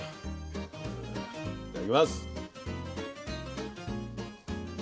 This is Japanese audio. いただきます。